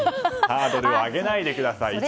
ハードルを上げないでください。